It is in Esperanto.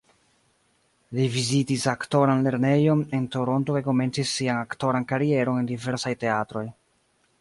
Li vizitis aktoran lernejon en Toronto kaj komencis sian aktoran karieron en diversaj teatroj.